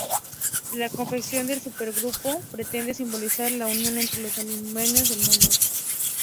La confección del supergrupo pretende simbolizar la unión entre los armenios del mundo.